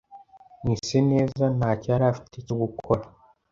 Mwiseneza ntacyo yari afite cyo gukora.